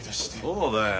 そうだよ。